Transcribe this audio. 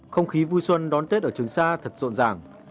không khí vui xuân đón tết ở trường sa thật rộn ràng